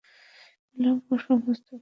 বিল্বন সমস্ত কথা একেবারে উড়াইয়া দিলেন।